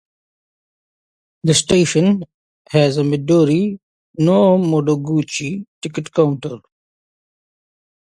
The station has a "Midori no Madoguchi" ticket counter.